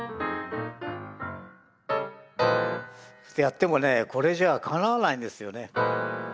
ってやってもねこれじゃあかなわないんですよね。